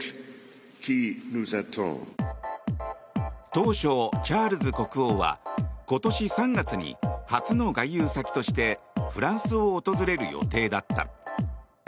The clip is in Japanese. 当初、チャールズ国王は今年３月に初の外遊先としてフランスを訪れる予定だった。